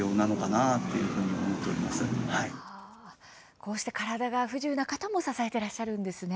こうして体が不自由な方も支えていらっしゃるんですね。